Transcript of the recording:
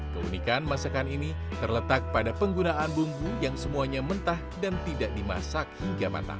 keunikan masakan ini terletak pada penggunaan bumbu yang semuanya mentah dan tidak dimasak hingga matang